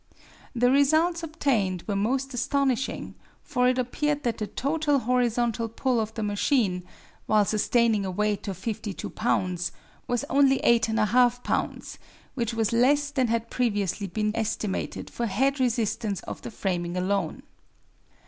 The results obtained were most astonishing, for it appeared that the total horizontal pull of the machine, while sustaining a weight of 52 lbs., was only 8.5 lbs., which was less than had previously been estimated for head resistance of the framing alone.